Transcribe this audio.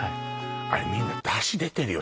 あれみんなダシ出てるよ